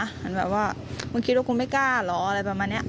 เหมือนแบบว่ามึงคิดว่ากูไม่กล้าเหรออะไรประมาณนี้